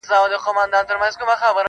هسي نه چي په دنیا پسي زهیر یم »-